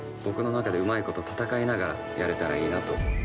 僕の中でうまいこと戦いながらやれたらいいなと。